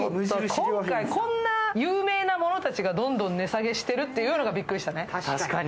今回、こんな有名なものたちがどんどん値下げしてるのにびっくりしたね。